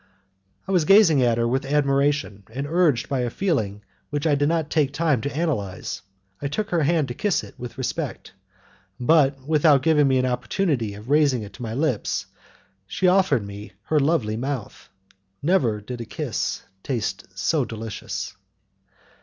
I was gazing at her with admiration, and, urged by a feeling which I did not take time to analyze, I took her hand to kiss it with respect, but, without giving me an opportunity of raising it to my lips, she offered me her lovely mouth. Never did a kiss taste so delicious.